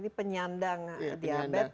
ini penyandang diabetes